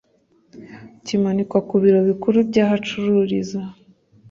kimanikwa ku biro bikuru by aho acururiza